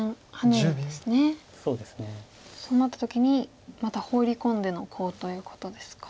そうなった時にまたホウリ込んでのコウということですか。